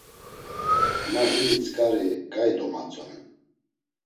Ma ini tzǩari ǩai domatzonen.